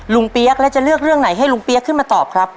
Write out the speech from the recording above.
เปี๊ยกแล้วจะเลือกเรื่องไหนให้ลุงเปี๊ยกขึ้นมาตอบครับ